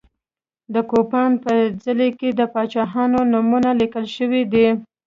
د کوپان په څلي کې د پاچاهانو نومونه لیکل شوي دي.